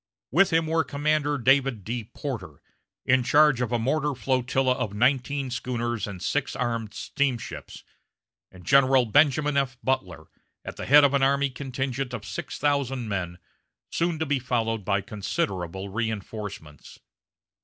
With him were Commander David D. Porter, in charge of a mortar flotilla of nineteen schooners and six armed steamships, and General Benjamin F. Butler, at the head of an army contingent of six thousand men, soon to be followed by considerable reinforcements.